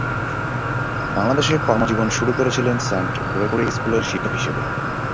বাংলাদেশে কর্মজীবন শুরু করেছিলেন সেন্ট গ্রেগরি স্কুলের শিক্ষক হিসেবে।